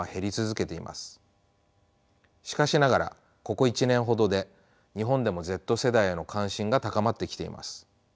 しかしながらここ１年ほどで日本でもＺ世代への関心が高まってきています。